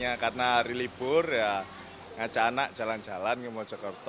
ya karena hari libur ya ngajak anak jalan jalan ke mojokerto